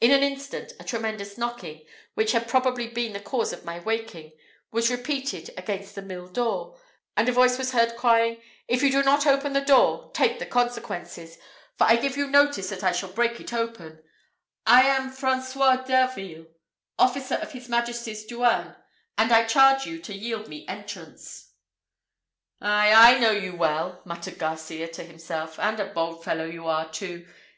In an instant a tremendous knocking, which had most probably been the cause of my waking, was repeated against the mill door, and a voice was heard crying, "If you do not open the door, take the consequences, for I give you notice that I shall break it open: I am François Derville, officer of his majesty's douane; and I charge you to yield me entrance." "Ay, I know you well!" muttered Garcias to himself, "and a bold fellow you are too.